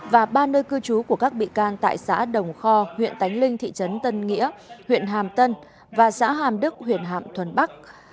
và ba nơi cư trú của các bị can tại xã đồng kho huyện tánh linh thị trấn tân nghĩa huyện hàm tân và xã hàm đức huyện hàm thuận bắc